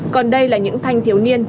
còn đây là những thanh thiếu niên